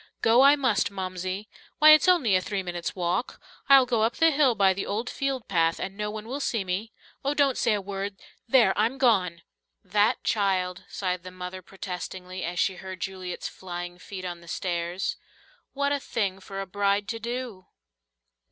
"Go I must, Momsie. Why, it's only a three minutes' walk. I'll go up the hill by the old field path, and no one will see me. Oh, don't say a word there, I'm gone!" "That child!" sighed the mother protestingly, as she heard Juliet's flying feet on the stairs. "What a thing for a bride to do!"